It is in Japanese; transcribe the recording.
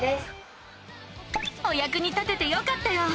おやくに立ててよかったよ！